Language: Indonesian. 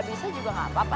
terus pada gantian sama saya